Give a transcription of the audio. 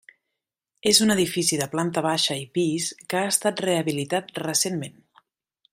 És un edifici de planta baixa i pis, que ha estat rehabilitat recentment.